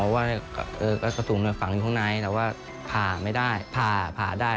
โปรดติดตามต่อไป